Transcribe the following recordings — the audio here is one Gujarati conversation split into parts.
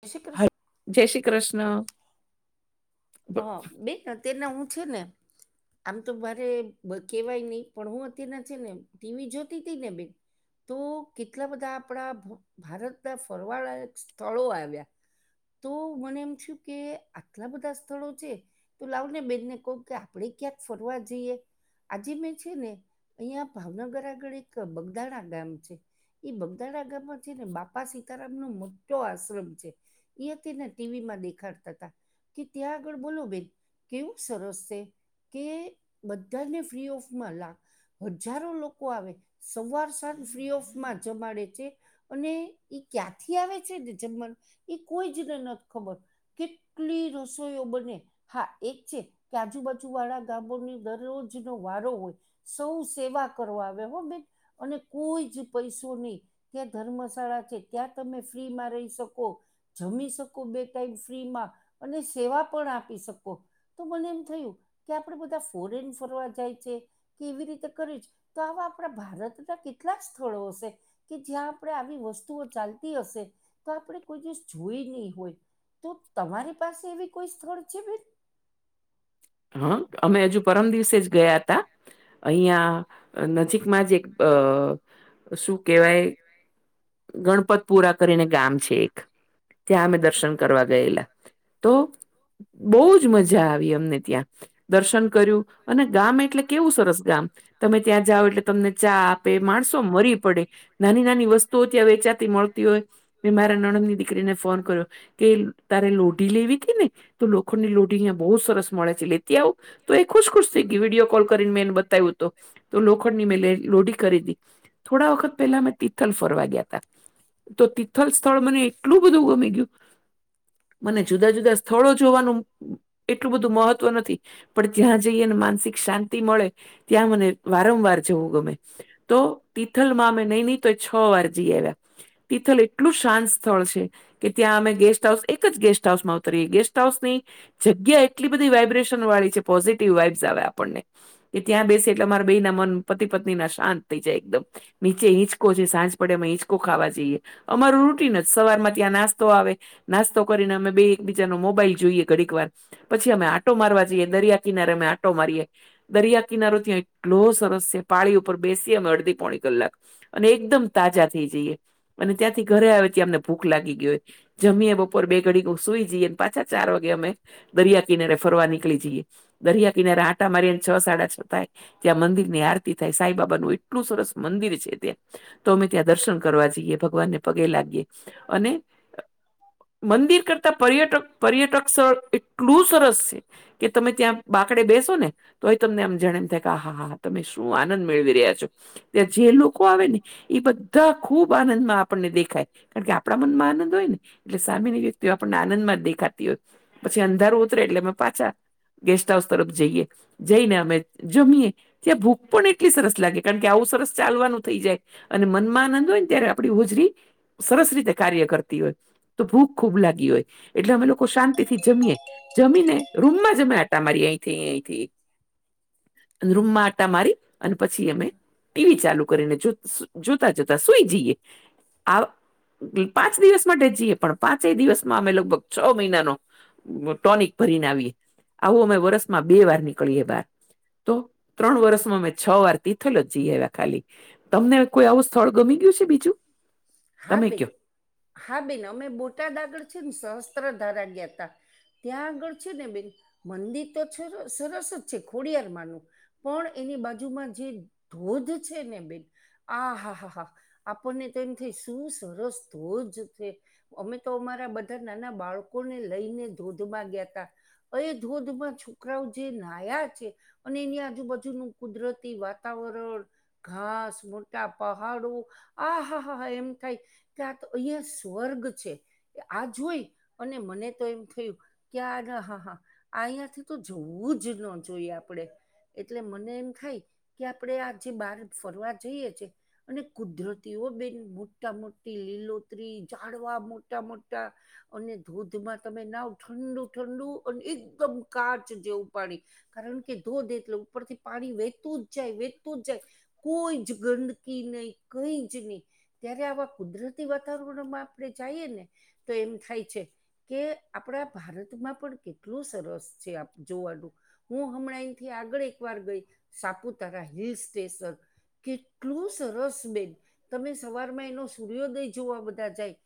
જય શ્રી હ કૃષ્ણ [unintelligible] જય શ્રી કૃષ્ણ. હ બ- બેન અત્યારન હું છે ને આમ તો મારે કેવાય નહી પણ હું અત્યારના છે ને ટીવી જોતી હતી ને બેન તો કેટલા બધા આપડા ભા ભારતના ફરવા લાયક સ્થળો આવ્યા. તો મને એમ થયું કે આટલા બધા સ્થળો છે તો લાવ ને બેનને કવુ કે આપડે ક્યાંક ફરવા જઈએ આજે મેં છે ને અહિયા ભાવનગર આગળ એક બગદાણા ગામ છે. એ બગદાણા ગામમાં છે ને બાપા સીતારામનો મોટો આશ્રમ છે. યથી ને ટીવીમાં દેખારતા હતા. કે ત્યાં આગળ બોલો બેન કેવું સરસ છે. કે બધાને ફ્રી ઓફમાં લ હજારો લોકો આવે સવાર સાંજ ફ્રી ઓફ માં જમાડે છે અને એ ક્યાંથી આવે છેને જન્મન એ કોઈ જને નથી ખબર કેટલી રસોઈઓ બને હા એક છે કે આજુબાજુ વાળા ગામોની દરરોજનો વારો હોય સૌ સેવા કરવા આવે હો બેન અને કોઈ જ પૈસો નહી ત્યાં ધર્મશાળા છે ત્યાં તમે ફ્રીમાં રહી શકો જમી શકો બે ટાઈમ ફ્રીમાં અને સેવા પણ આપી શકો. તો મને એમ થયું કે આપડે બધા ફોરેન ફરવા જાય છે કેવી રીતે કરી છે તો આવા આપણા ભારતના કેટલા સ્થળો હશે કે જ્યાં આપણે આવી વસ્તુઓ ચાલતી હશે તો આપણે કોઈ દિવસ જોઈ નહી હોય તો તમારી પાસે એવી કોઈ સ્થળ છે બેન હઅ અમે હજુ પરમ દિવસે જ ગયા હતા અહિયાંયા નજીકમાં જ એક અ શું કહેવાય ગણપતપૂરા કરીને ગામ છે એક ત્યાં અમે દર્શન કરવા ગયેલા. તો બહુ જ મજા આવી અમને ત્યાં. દર્શન કર્યું અને ગામ એટલે કેવું સરસ ગામ તમે ત્યાં જાઓ એટલે તમને ચા તે માણસો મરી પડે નાની નાની વસ્તુ તો ત્યાં વેચાતી મળતી હોય મે મારા નણંદની દીકરીને ફોન કર્યો કે તારે લોટ લોઢી લેવી હતી ને તો લોખંડ ની લોઢી અહં બહુ સરસ મળે છે લેતી આવુ તો એ ખુશ ખુશ થઈ ગયું વિડીયો કોલ કરીને મેં એને બતાવ્યું તો તો લોખડ ની મેં લોઢ કરી તિ થોડા વખત પેલા મેં તીથલ ફરવા ગયા તા તો તિથલ સ્થળ મને એટલું બધું ગમી ગયું તું મને જુદા જુદા સ્થળો જોવાનું એટલું બધું મહત્વ નથી પણ ત્યાં જઈને માનસિક શાંતિ મળે ત્યાં મને વારંવાર જવું ગમે તો તિથલમાં મેમે નહી નહી તો અમે છ વાર જઈ આવ્યા તિથલ એટલું શાંત સ્થળ છે કે ત્યાં અમે ગેસ્ટ હાઉસ એક જ ગેસ્ટ હાઉસ માં ઉતરીએ ગેસ્ટ હાઉસ ની જગ્યા એટલી બધી વાઈબ્રેશન વાળી છે પોઝિટિવ વાઈબ્સ આવે આપણને. કે ત્યાં બેસે એટલે અમારા બે ના મન પતિ પત્ની ના શાંત થઈ જાય એકદમ નીચે ઈચ ચકો જે સાંજ પડે અમે હિંચકો ખાવા જઈએ અમારુ રૂટિન જ સવારમાં ત્યાં નાસ્તો આવે નાસ્તો કરીને અમે બે એકબીજાનો મોબાઈલ જોઈએ ઘડીક વાર પછી અમે આંટો મારવા જઈએ દરિયા કિનારે અમે આંટો મારીએ. દરિયા કિનારો ત્યાં એટલો સરસ છે. પાળી ઉપર બેસી અમે અડધી પોણી કલાક. અને એકદમ તાજા થઈ જઈએ. અને ત્યાંથી ઘરે આવે ત્યાં અમને ભૂખ લાગી ગી હોય. જમીએ, બપોર બે ઘડીક સુઈ જઈએ ને પાછા ચાર વાગે અમે દરિયા કિનારે ફરવા નીકળી જઈએ. દરિયા કિનારે આંટા મારીએ ને છ સાડા છ થાય. ત્યાં મંદિરની આરતી થાય સાઈબાબાનું એટલું સરસ મંદિર છે ત્યાં. તો અમે ત્યાં દર્શન કરવા જઈએ. ભગવાનને પગે લાગીએ. અને મંદિર કરતા પર્યટક પર્યટક સ્થળ એટલું સરસ છે. કે તમે ત્યાં બાકડે બેસો ને તોય તમને આમ જાણે એમ થાય કે આ હા હા તમે શું આનંદ મેળવી રહ્યા છો. ત્યાં જે લોકો આવે ને એ બધાં એવા ખુબ આનંદમાં આપણને દેખાય. કારણ કે આપણા મનમાં આનંદ હોય ને. એટલે સામેની વ્યક્તિઓ આપણને આનંદમાં જ દેખાતી હોય. પછી અંધારું ઉતરે એટલે અમે પાછા ગેસ્ટ હાઉસ તરફ જઈએ. જઈને અમે જમીએ. ત્યાં ભૂખ પણ એટ ટલી સરસ લાગે. કારણ કે આવું સરસ ચાલવાનું થઈ જાય. અને મનમાં આનંદ હોયને ત્યારે આપડી હોજરી સરસ રીતે કાર્ય કરતી હોય. તો ભૂખ ખૂબ લાગી હોય. એટલે અમે લોકો શાંતિથી જમીએ. જમીને રૂમમાં જ અમે આ ટા મારીએ અહીંથી અહીંથી અહીં. અને રૂમમાં આટા મારી અને પછી અમે ટીવી ચાલુ કરીને જોત સૂત જોતા જોતા સુઈ જઈએ. આ પાંચ દિવસ માટે જઈએ પણ પાંચેય દિવસમાં અમે લગભગ છ મહિનાનો ટોનિક ભરીને આવીએ. આવું અમે વરસમાં બે વાર નીકળીએ બાર. તો ત્રણ વર્ષમાં અમે છ વાર તિથલ જ જઈ આવ્યા ખાલી. તમને કોઈ આવું સ્થળ ગમી ગયું છ? હા બેન. હા બેન અમે બોટાદ આગળ છે ને સહસ્ત્ર ધારા ગયાતા. ત્યાં આગળ છે ને બેન મંદિર તો છર સરસ જ છે ખોડિયારમાંનું. પણ એની બાજુમાં જે ધોધ છે ને બેન આ હા હા હા આપણને તો એમ થાય શું સરસ ધોજ છે. અમે તો અમારા બધા નાના બાળકોને લઈને ધોધમાં ગયાતા. એ ધોધમાં છોકરાઓ જે નાયા છે. અને એની આજુબાજુનું કુદરતી વાતાવરણ. ઘાસ, મોટા પહાડો આ હા હા હા એમ થાય કે આતો અહિયાં સ્વર્ગ છે. કે આ જોઈ અને મને તો એમ થયું. કે આગા હા હા આહીંયાથી તો જવું જ ન જોઈએ આપણે. એટલે મને એમ થાય કે આપણે આ જે બહાર ફરવા જઈએ છે. અને કુદરત તી ઓ બેન મોટા મોટી લીલોતરી, ઝાડવા મોટા મોટા. અને ધોધમાં તમે નાવ ઠંડુ ઠંડુ અને એકદમ કાચ જેવું પાણી. કારણ કે ધોધ એટલો ઉપરથી પાણી વેતું જ જાય, વેતું જ જાય. કોઈ જ ગંદકી નહીં, કઈ જ નહીં. ત્યારે આવા કુદરતી વાતાવરણમાં આપણે જાઈએ ને તો એમ થાય છે. કે આપણા ભારતમાં પણ કેટલું સરસ છે આમ જોવાનું. હું હમણાં અહીંથી આગળ એકવાર ગઈ, સાપુતારા હિલ સ્ટેશન. કેટલું સરસ બેન. તમે સવારમાં એનો સૂર્યોદય જોવા બધાં જાય.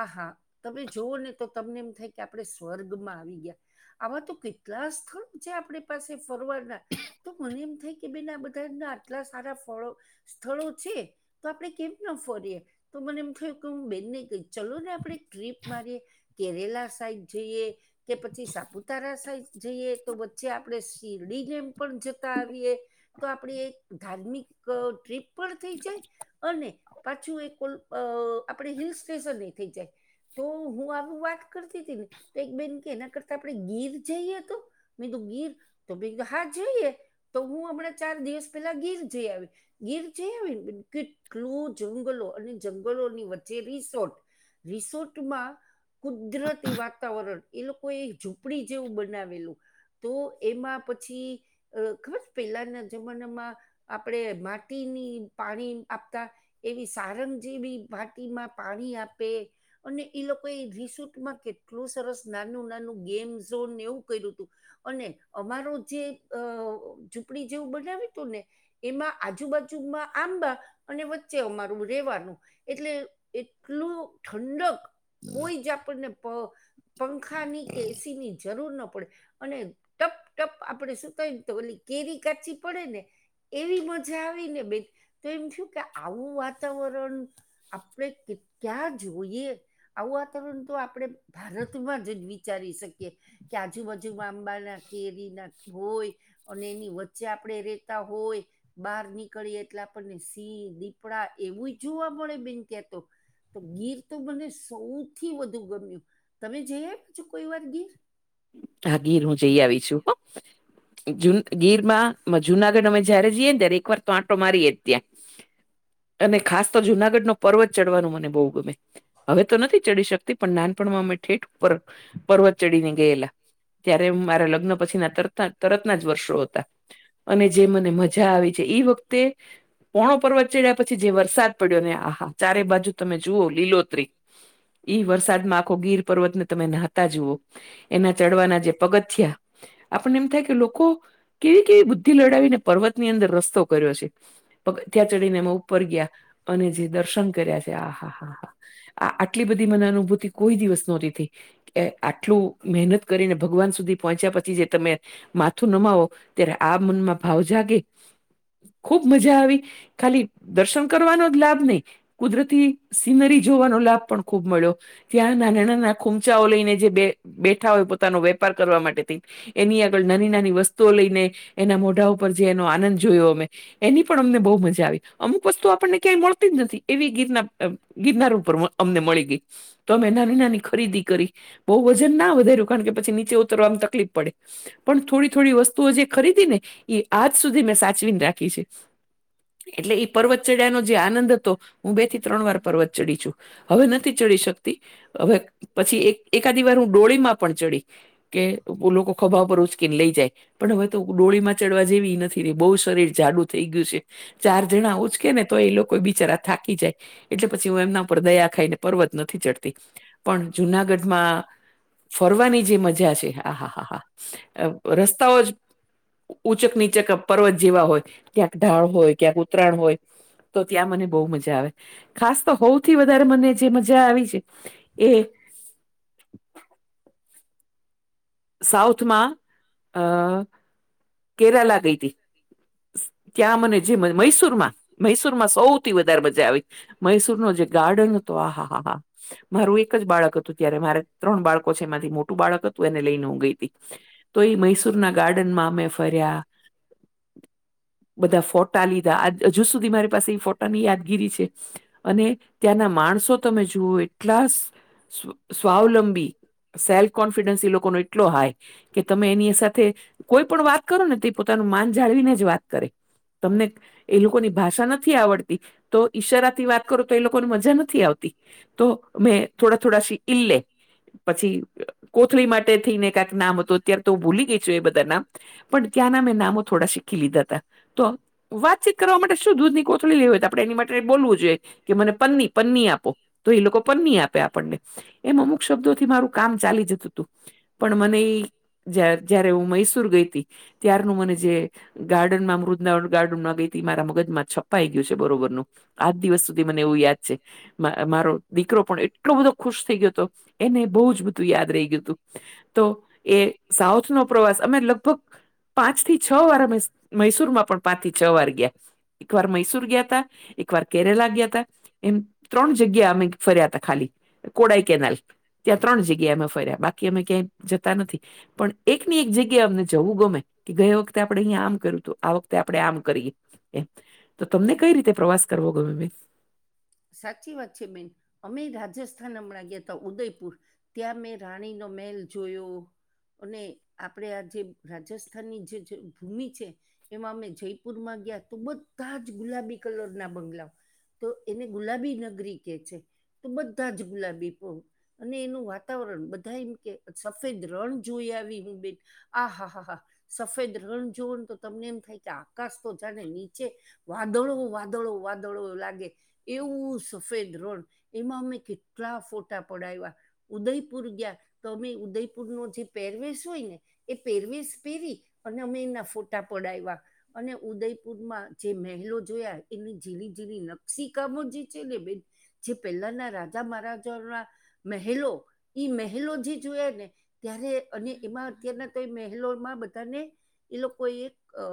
આહા! તમે જોઓ ને તો તમને એમ થાય કે આપણે સ્વર્ગમાં આવી ગયા. આવા તો કેટલા સ્થળો છે આપણી પાસે ફરવાના. તો મને એમ થાય કે બેન આ બધાના આટલા સારા ફળો સ્થળો છે તો આપણે. કેમ ન ફરીએ? તો મને એમ થયું કે હું બેનને કઈ ચલો ને આપણેે ટ્રીપ મારીએ. કેરેલા સાઈડ જઈએ. કે પછી સાપુતારા સાઈસ જઈએ તો વચ્ચે આપડે. ચિરડીડેમ [unintelligible] પણ જતા આવીએ તો આપણે એક ધાર્મિક ટ્રીપ પણ થઈ જાય અને પાછું એ આપણે હિલ સ્ટેશન એ થઈ જાય. તો હું આવું વાત કરતી હતી ને તો એક બેન કે એના કરતા આપણે ગીર જઈએ તો મે કીધું ગીર મેં કીધું હાતો જઈએ. તો હું હમણાં ચાર દિવસ પેલા ગીર જઈ આવી ગીર જઈ આવી ને ક્લુ જંગલો અને જંગલોની વચ્ચે રિસોર્ટ રિસોર્ટમાં કુદરતી વાતાવરણ એ લોકો એ ઝૂંપડી જેવું બનાવેલું. તો એમાં પછી અ ખબર પેલાના જમાનામાં આપણે માટીની પાણી આપતા એવી સારંગ જેવી ભાટીમાં પાણી આપે. અને એ લોકો એ રિસોટમાં કેટલું સરસ નાનું નાનું ગેમ જોને ને એવું કર્યું હતું. અને અમારો જે ઝૂંપડી જેવું બનાવ્યું તું ને એમાં આજુબાજુમાં આંમ અને વચ્ચે અમારું રહેેવાનું એટલે એટલું ઠંડક. કોઈ જ આપણને પંખાની કે એસીની જરૂર ના પડે. અને ટપ ટપ આપણેે શું કય ને તો ઓલી કેરી કાચી પડે ને એવી મજા આવી ને બે તો એમ થું કે આવું વાતાવરણ આપણે કેટ્યા જોઈએ આવું વાતાવરણ તો આપડે ભારતમાં જ જ વિચારી શકીએ. કે કાજુ બાજુ આંબા ના કેરી ના ભોઈ [unintelligible] અને એની વચ્ચે આપડણે રેતા હોય બહાર નીકળીએ એટલે આપણને સ દીપડા એવું જોવા મળે બેન ત્યાતો. તો ગીર તો મને સૌથી વધુ ગમ્યું તમે જઈ આ પાછું કોઈ વાર ગીર. હા ગીર હું જઈ આવી છું ગીરમાં જુનાગઢ અમે જ્યારે જઈએ ને દરે એક વાર તો આંટો મારીએ ત્યાં. અને ખાસ તો જુનાગઢ નો પર્વત ચડવાનું મને બહુ ગમે. હવે તો નથી ચડી શકતી પણ નાનપણમાં અમે ઠેઠ ઉપર પર્વત ચડી ન ગયેલા ત્યારે મારા લગ્ન પછી ના તરતના જ વર્ષો હતા. અને જે મને મજા આવી છે એ વખતે પોણો પર્વત ચડ્યા પછી જે વરસાદ પડ્યો ને આહા ચારે બાજુ તમે જુઓ લીલોત્રી. ઈ વરસાદમાં આખો ગીર પર્વતને તમે નાહતા જુઓ. એના ચડવાના જે પગથયા આપને એમ થાય કે લોકો કેવી કેવી બુદ્ધિ લડાવીને પર્વત ની અંદર રસ્તો કર્યો છે. પગથિયા ચડીને એમાં ઉપર ગયા અને જે દર્શન કર્યા છે આ હા હા હા. આ આટલી બધી મને અનુભૂતિ કોઈ દિવસ નહોતીથી એ આટલું મહેનત કરીને ભગવાન સુધી પહોંચ્યા પછી જે તમે માથું નમાવો ત્યારે આ મનમાં ભાવ જાગે ખુબ મજા આવી. ખાલી દર્શન કરવાનો જ લાભ નહી કુદરતી સિનરી જોવાનો લાભ પણ ખૂબ મળ્યો. ત્યાં ના નાના નાના ખૂમચાઓ લઈને જે બે બેઠા હોય પોતાનો વેપાર કરવા માટે એની આગળ નાની નાની વસ્તુઓ લઈને એના મોઢા ઉપર જે એનો આનંદ જોયો અમે એની પણ અમને બહુ મજા આવી અમુક વસ્તુ આપણને ક્યાંય મળતી જ નથી એવી ગીતના ગિરનાર ઉપર અમને મળી ગઈ તો અમે નાની નાની ખરીદી કરી બહ બધું વજન ના વધાર્યું કારણ કે પછી નીચે ઉતરવાવામાં તકલીફ પડે પણ થોડી થોડી વસ્તુઓ જે ખરીદી ને એ આજ સુધી મેં સાચવીને રાખી છે. એટલે એ પર્વત ચડ્યાનો જે આનંદ હતો હું બે થી ત્રણ વાર પર્વત ચડી છું. હવે નથી ચડી શકતી હવે પછી એક એકાદી વાર હું. ડોળીમાં પણ ચડી કે લોકો ખભા પર ઉચક લઈ જાય પણ હવે તો ડોળી માં ચડવા જેવી નથી રેય બહુ શરીર જાડુ થઈ ગયું છે. ચાર જણા આવું જ કે ને તો એ લોકો બિચારા થાકી જાય. એટલે પછી હું એમના ઉપર દયા ખાઈને પર્વત નથી ચડતી પણ જુનાગઢમાં ફરવાની જે મજા છે હા હા હા હા રસ્તાઓ જ ઊંચક નીચક પર્વત જેવા હોય ક્યાંક ઢાળ હોય ક્યાં ઉતરાયણ હોય તો ત્યાં મને બહ મજા આવે ખાસ તો સૌથી વધારે મને જે મજા આવી છે એ સાઉથમાં અ કેરાલા ગઈ હતી. ત્યાં મને. જે મૈસુર માં મૈસુરમાં સૌથી વધારે મજા આવી મૈસૂર ન જે ગાર્ડન હતો આહા. હા હા મારું એક જ બાળક હતું ત્યારે મારે ત્રણ બાળકો છે એમાંથી મોટું બાળક હતું એને લઈ. તો મૈસુરના ગાર્ડનમાં અમે ફર્યા. બધા ફોટા લીધા હજુ સુધી મારી પાસે એ ફોટા ની યાદગીરી છે. અને ત્યાંના માણસો તમે જુઓ એટલા સ્વાવલંબી. સેલ્ફ કોન્ફિડન્સ એ લોકોનો એટલો હાય કે તમે એની સાથે. કોઈ પણ વાત કરો ને તે પોતાનું માન જાળવીને જ વાત કરે. તમને એ લોકોની ભાષા નથી આવડતી. તો ઈશારાથી વાત કરો તો એ લોકોને મજા નથી આવતી તો મેં થોડા થોડાી ઈલે પછી કોથળી માટે થઈને કક નામ હતું. અ્યારે તો હું ભૂલી ગઈ છું એ બધા નામ પણ ત્યાંના મેં નામો થોડા શીખી લીધા હતા તો વાતચીત કરવા માટે શું દૂધની કોથળી લેવી હોય તો આપણે એની માટે બોલવું જોઈએ કે મને પન્ની પની આપો. તો એ લોકો પણ નહી આપે આપણને એમ અમુક શબ્દોથી મારું કામ ચાલી જતું હતું. પણ મને એ જય્યારે હું મૈસુર ગઈ હતી ત્યારનું મને જે ગાર્ડનમાં મૃદ ગારડનમાં બેથી મારા મગજ માં છપ્પાાઈ ગયું છે બરોબરનું. આજ દિવસ સુધી મને એવું યાદ છે. મારો દીકરો પણ એટલો બધો ખુશ થઈ ગયો હતો એને બહુ જ બધું યાદ રહી ગયું હતું. તો એ સાઉથ નો પ્રવાસ અમે લગભગ પાંચ થી છ વાર મૈસુર માં પણ પાંચ થી છ વાર ગયા એક વાર મૈસુર ગયા ત એક વાર કેરે લાગ ગયા તા. એમ ત્રણ જગ્યા અમે ફર્યા હતા ખાલી કોડાાઈ કેનાલ. ત્યાં ત્રણ જગ્યા અમે ફર્યા બાકી અમે ક્યાંય જતા નથી. પણ એક ની એક જગ્યા અમને જવું ગમે. કે ગયા વખતે આપણે અહીંયા આમ કર્યું હતું આ વખતે આપડણે આમ કરીએ. તો તમને કઈ રીતે પ્રવાસ કરવો ગમે મેમ. સાચી વાત છે બેન અમે રાજસ્થાન હમણાં ગયા હતા ઉદયપુર ત્યાં મેં રાણીનો મેલ જોયો. અને આપણે આ જે રાજસ્થાનની જે ભૂમિ છે એમાં અમે જયપુરમાં ગયા તો બધા જ ગુલાબી કલર ના બંગલાઓ. તો એને ગુલાબી નગરી કે છે તો બધા જ ગુલાબી પો અને એનું વાતાવરણ બધા એમ કે સફેદ રણ જોઈ આવી હું બેન આ હા હા હા સફેદ રણ જોવાનું તો તમને એમ થાય કે આકાશ તો જાને નીચે. વાદોળો વાદળો વાદળો લાગે. એવું સફેદ રણ એમાં અમે કેટલા ફોટા પડાવ્યા. ઉદયપુર ગયા તો અમે ઉદયપુર નો જે પેરવેશ હોય ને એ પહેરવીશ પહેરી અને અમે એના ફોટા પડાવ્યા અને ઉદયપુરમાં જે મહેલો જોયા એની ઝીલી ઝીરી નકશી કામજી છે ને બેન જે પહેલાના રાજા મહારાજા ના મહેલો એઈ મહેલો જે જોયા ને ત્યારે અને એમાં અત્યારના તો એ મહેલોમાં બધાને એ લોકોએ એક અ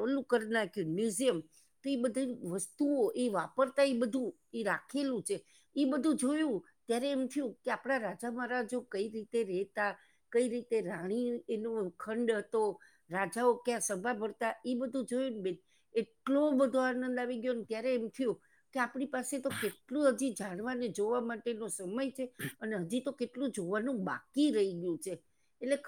ઓલું કર નાખ્યું મ્યુઝિયમ તો એ બધી વસ્તુઓ એ વાપરતા એ બધું એ રાખેલું છે. એ બધું જોયું ત્યારે એમ થયું કે આપણા રાજા મહારાજો કઈ રીતે રતા કઈ રીતે રાણી એનો ખંડ હતો. રાજાઓ ક્યાં સભા ભરતા એ બધું જોયું ને બેન એટલો બધો આનંદ આવી ગયો ક્યારે એમ થયું. કે આપણી પાસે તો કેટલું હજી જાણવાને જોવા માટેનો સમય છે અને હજી તો કેટલું જોવાનું બાકી રહી ગયું છે એટલે